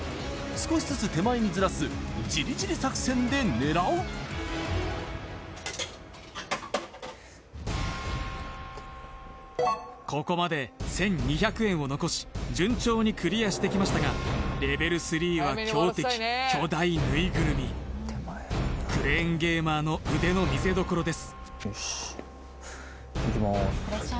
少しずつ手前にズラすジリジリ作戦で狙うここまで１２００円を残し順調にクリアしてきましたがレベル３は強敵巨大ぬいぐるみ手前クレーンゲーマーの腕の見せどころですよしいきまーす